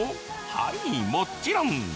はい、もちろん。